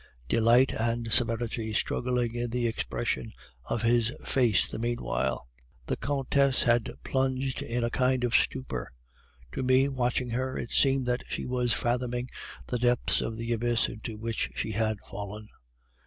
delight and severity struggling in the expression of his face the meanwhile. The Countess had plunged in a kind of stupor; to me, watching her, it seemed that she was fathoming the depths of the abyss into which she had fallen.